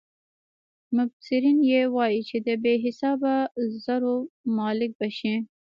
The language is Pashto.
مبصرین یې وايي چې د بې حسابه زرو مالک به شي.